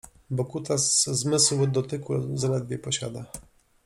Bo kutas zmysł dotyku zaledwie posiada